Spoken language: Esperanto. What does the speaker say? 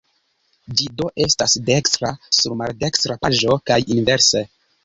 Ĝi do estas dekstra sur maldekstra paĝo kaj inverse.